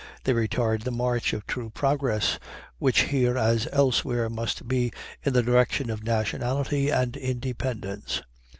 They retard the march of true progress, which here, as elsewhere, must be in the direction of nationality and independence.